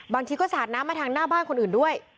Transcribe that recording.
บางทีก็สาดน้ำมาทางหน้าบ้านคนอื่นด้วย